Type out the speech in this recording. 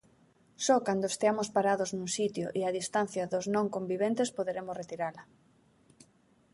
Só cando esteamos parados nun sitio e a distancia dos non conviventes poderemos retirala.